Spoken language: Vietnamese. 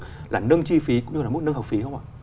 ngoài cái nâng chi phí nâng học phí